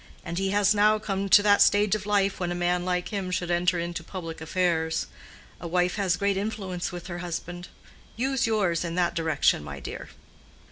And he has now come to that stage of life when a man like him should enter into public affairs. A wife has great influence with her husband. Use yours in that direction, my dear."